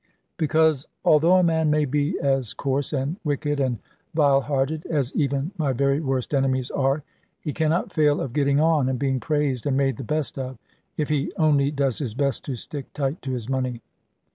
Because, although a man may be as coarse, and wicked, and vile hearted, as even my very worst enemies are, he cannot fail of getting on, and being praised, and made the best of, if he only does his best to stick tight to his money.